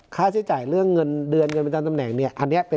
ค่าใช้จ่ายเรื่องเงินเดือนเงินมีตั้งตำแหน่งเนี่ย